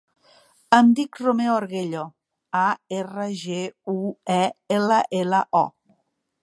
Em dic Romeo Arguello: a, erra, ge, u, e, ela, ela, o.